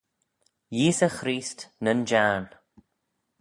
Yeesey Chreest, nyn Jiarn.